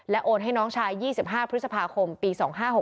โอนให้น้องชาย๒๕พฤษภาคมปี๒๕๖๖